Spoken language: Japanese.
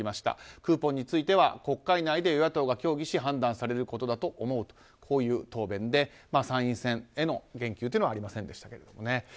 クーポンについては国会内で与野党が協議し判断されることだと思うという答弁で、参院選への言及はありませんでしたけれどもね。